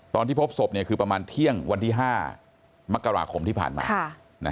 ตอนที่พบศพคือประมาณเที่ยงวันที่๕มกราคมที่ผ่านมา